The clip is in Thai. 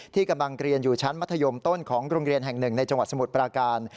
กำลังเรียนอยู่ชั้นมัธยมต้นของโรงเรียนแห่งหนึ่งในจังหวัดสมุทรปราการ